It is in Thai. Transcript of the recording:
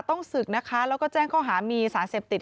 ต้องศึกนะคะแล้วก็แจ้งข้อหามีสารเสพติด